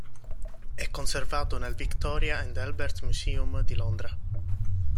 È conservato nel Victoria and Albert Museum di Londra.